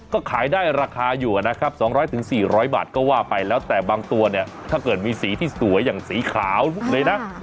ก็ขายได้ราคาอยู่นะครับ๒๐๐๔๐๐บาทก็ว่าไปแล้วแต่บางตัวเนี่ยถ้าเกิดมีสีที่สวยอย่างสีขาวเลยนะ